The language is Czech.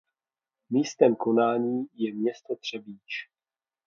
Místem konání je město Třebíč.